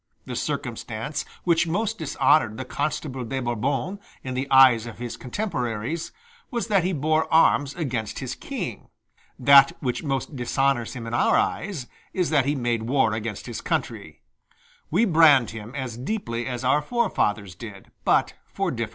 The circumstance which most dishonored the Constable de Bourbon in the eyes of his contemporaries was that he bore arms against his king: that which most dishonors him in our eyes, is that he made war against his country; we brand him as deeply as our forefathers did, but for different reasons.